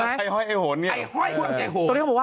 ไอ้ห้อยขวมใจโฮง